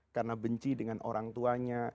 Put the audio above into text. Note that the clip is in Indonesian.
karena benci dengan orang tuanya